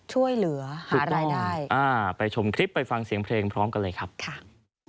ช่วยเหลือหารายได้อ่าไปชมคลิปไปฟังเสียงเพลงพร้อมกันเลยครับค่ะ